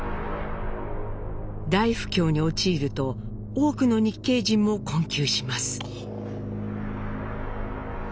大不況に陥ると多くの日系人も困窮します。